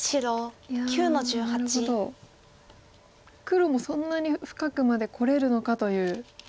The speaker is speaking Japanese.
黒もそんなに深くまでこれるのかという。